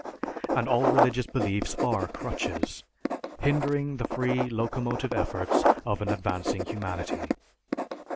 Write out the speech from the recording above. And all religious beliefs are "crutches" hindering the free locomotive efforts of an advancing humanity.